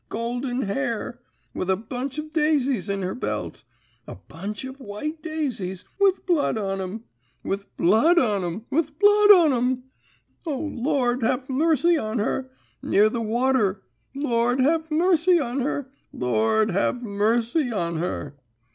Golden hair. With a bunch of daisies in her belt. A bunch of white daisies, with blood on 'em! With blood on 'em! With blood on 'em! O Lord, have mercy on her! Near the water. Lord, have mercy on her! Lord, have mercy on her!'